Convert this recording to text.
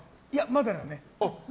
まだだね。